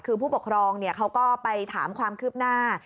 คือผู้ปกครองเขาก็ไปถามความคืบหน้า